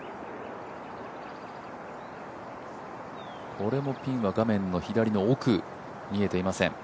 これもピンは画面の左の奥、見えていません。